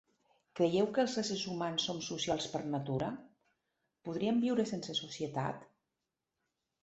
Creieu que els éssers humans som socials per natura? Podríem viure sense societat?